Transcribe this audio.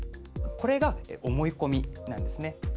これが思い込みなんですね。